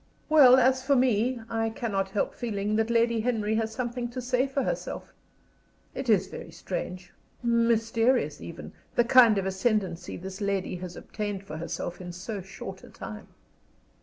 "Well, as for me, I cannot help feeling that Lady Henry has something to say for herself. It is very strange mysterious even the kind of ascendency this lady has obtained for herself in so short a time."